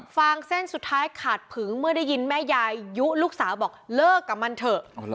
ฟางเส้นสุดท้ายขาดผึงเมื่อได้ยินแม่ยายยุลูกสาวบอกเลิกกับมันเถอะ